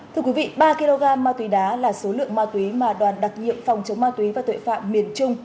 thưa quý vị ba kg ma túy đá là số lượng ma túy mà đoàn đặc nhiệm phòng chống ma túy và tội phạm miền trung